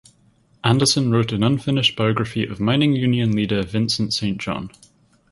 Anderson wrote an unfinished biography of mining union leader Vincent Saint John.